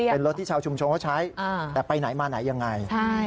เป็นรถที่ชาวชุมชนเขาใช้แต่ไปไหนมาไหนยังไง